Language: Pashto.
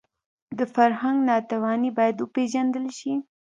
د فرهنګ ناتواني باید وپېژندل شي